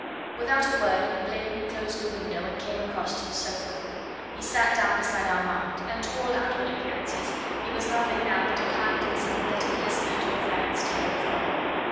Without a word Blakeney closed the window and came across to the sofa; he sat down beside Armand, and to all outward appearances he was nothing now but a kind and sympathetic listener to a friend's tale of woe.